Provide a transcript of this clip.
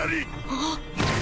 あっ